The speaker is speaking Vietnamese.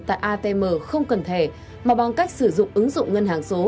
tại atm không cần thẻ mà bằng cách sử dụng ứng dụng ngân hàng số